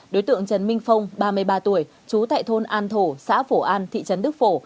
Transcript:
đối tượng trần minh phong ba mươi ba tuổi trú tại thôn an thổ xã phổ an thị trấn đức phổ